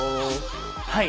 はい。